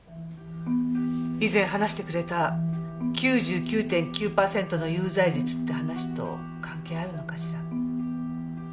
以前話してくれた９９．９パーセントの有罪率って話と関係あるのかしら？